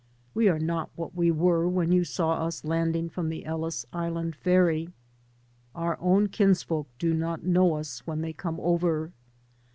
We are not what we were when you saw us landing from the Ellis Island ferry. Our own kinsfolk do not know us when they come over.